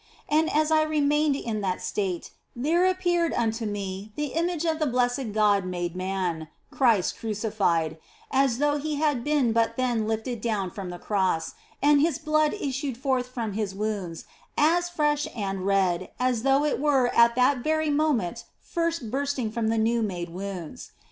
And as I remained in that state, there appeared unto me the image of the blessed God made Man, Christ Crucified, as though He had been but then lifted down from the Cross, and His blood issued forth from His wounds as fresh and red as though it were at that very moment first bursting from the new made wounds.